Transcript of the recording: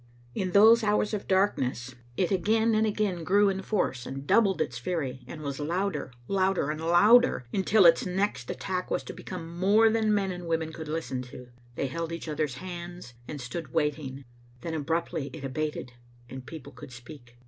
In those hours of darkness it again and Digitized by VjOOQ IC 283 Zbc Xittle Ainidtet. again grew in force and doubled its fury, and was louder, louder, and louder, until its next attack was to be more than men and women could listen to. They held each other's hands and stood waiting. Then abruptly it abated, and people could speak.